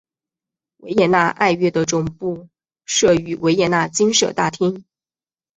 维也纳爱乐的总部设于维也纳金色大厅。